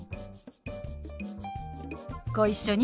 ご一緒に。